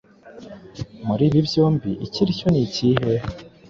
muri ibi byombi ikiricyo nikihe.